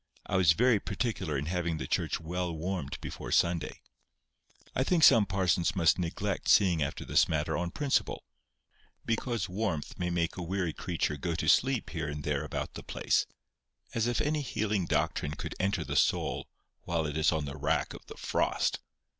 I was very particular in having the church well warmed before Sunday. I think some parsons must neglect seeing after this matter on principle, because warmth may make a weary creature go to sleep here and there about the place: as if any healing doctrine could enter the soul while it is on the rack of the frost.